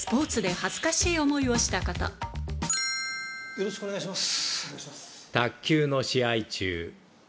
よろしくお願いします。